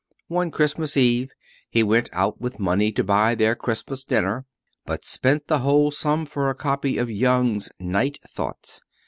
One Christmas Eve he went out with money to buy their Christmas dinner, but spent the whole sum for a copy of Young's "Night Thoughts."